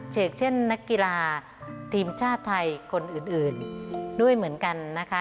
เชกเช่นนักกีฬาทีมชาติไทยคนอื่นด้วยเหมือนกันนะคะ